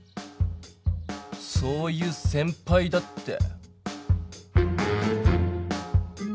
そういう先ぱいだって。